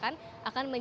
akan menjaga kemampuan